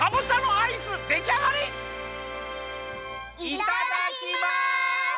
いただきます！